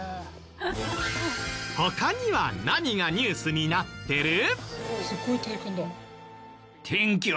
他には何がニュースになってる？